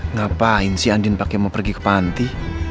ngapain si andin pak yang mau pergi ke panti